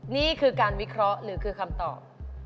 นี่คือการวิเคราะห์หรือคือคำตอบ